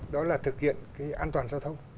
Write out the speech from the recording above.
đó là thực hiện an toàn giao thông